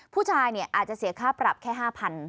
ผู้ชายอาจจะเสียค่าปรับแค่๕๐๐๐บาท